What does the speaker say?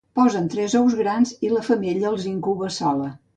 Posen tres ous grans, i la femella els incuba sola.